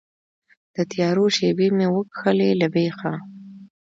د تیارو شیبې مې وکښلې له بیخه